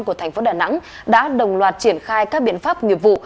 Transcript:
của thành phố đà nẵng đã đồng loạt triển khai các biện pháp nghiệp vụ